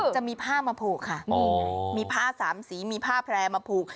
จะมีผ้ามาผูกค่ะนี่ไงมีผ้าสามสีมีผ้าแพร่มาผูก